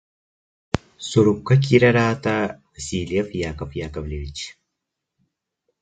Сурукка киирэр аата Васильев Яков Яковлевич